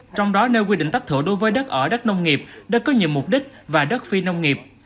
trong đó nêu quy định tách thửa đối với đất ở đất nông nghiệp đất có nhiều mục đích và đất phi nông nghiệp